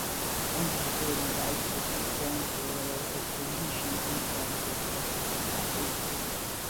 Until certain rites were performed over it, a Tahitian infant was especially taboo.